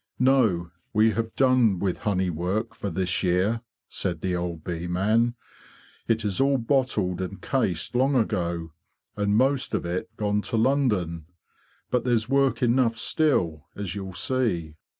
"No; we have done with honey work for this year,'' said the old bee man. '' It is all bottled and cased long ago, and most of it gone to London. But there's work enough still, as you'll see.